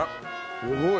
すごい！